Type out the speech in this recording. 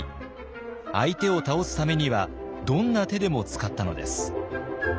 相手を倒すためにはどんな手でも使ったのです。